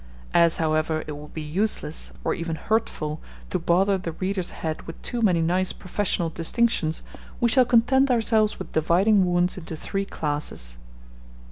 As, however, it would be useless, and even hurtful, to bother the reader's head with too many nice professional distinctions, we shall content ourselves with dividing wounds into three classes.